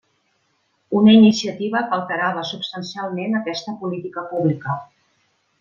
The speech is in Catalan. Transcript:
Una iniciativa que alterava substancialment aquesta política pública.